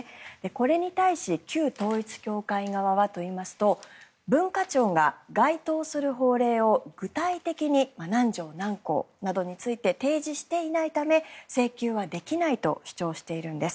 これに対し旧統一教会側はといいますと文化庁が該当する法令を具体的に何条何項などについて提示していないため請求はできないと主張しているんです。